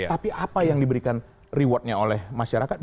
tapi apa yang diberikan rewardnya oleh masyarakat